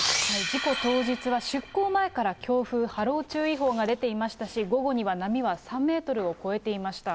事故当日は出航前から強風波浪注意報が出ていましたし、午後には波は３メートルを超えていました。